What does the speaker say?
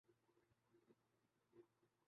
پسینے کے قطرے میرے جسم